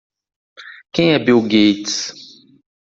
Quem é Bill Gates?